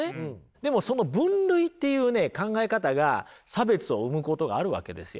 でもその分類っていうね考え方が差別を生むことがあるわけですよ。